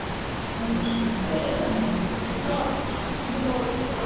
Au centre, se trouve la table d'opération.